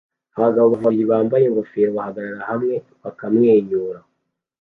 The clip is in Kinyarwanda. Abagabo babiri bambaye ingofero bahagarara hamwe bakamwenyura